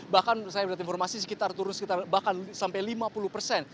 bahkan saya mendapat informasi sekitar turun sekitar bahkan sampai lima puluh persen